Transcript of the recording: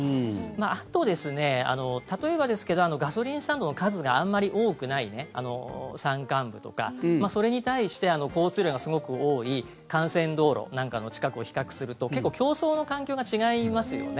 あと、例えばガソリンスタンドの数があんまり多くない山間部とかそれに対して交通量がすごく多い幹線道路なんかの近くを比較すると結構競争の環境が違いますよね。